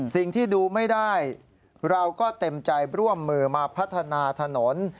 สิ่งที่ดูไม่ได้เราก็เต็มใจร่วมมือมาพัฒนาถนน